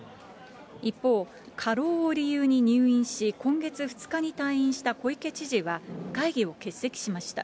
一方、過労を理由に入院し、今月２日に退院した小池知事は、会議を欠席しました。